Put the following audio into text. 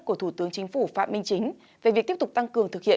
của thủ tướng chính phủ phạm minh chính về việc tiếp tục tăng cường thực hiện